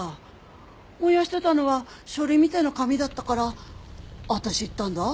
燃やしてたのは書類みたいな紙だったから私言ったんだ。